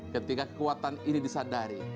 ketika kekuatan ini disadari